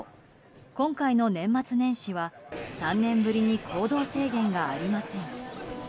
今回の年末年始は、３年ぶりに行動制限がありません。